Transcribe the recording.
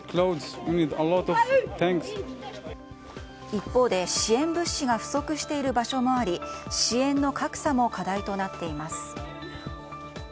一方で支援物資が不足している場所もあり支援の格差も課題となっています。